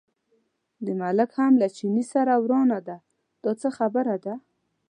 د ملک هم له چیني سره ورانه ده، دا څه خبره ده.